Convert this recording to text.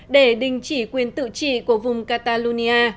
để đình chỉ quyền tự trị của vùng catalonia